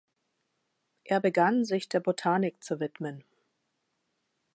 Er begann, sich der Botanik zu widmen.